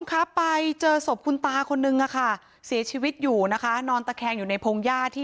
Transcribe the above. ครับไปเจอศพคุณตาคนนึงอะค่ะเสียชีวิตอยู่นะคะนอนตะแคงอยู่ในพงหญ้าที่